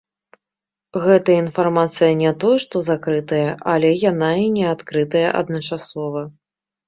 Гэтая інфармацыя не тое што закрытая, але яна і не адкрытая адначасова.